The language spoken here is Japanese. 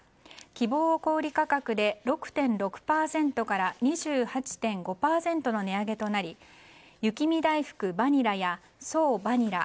希望小売価格で６．６％から２８．５％の値上げとなり雪見だいふくバニラや爽バニラ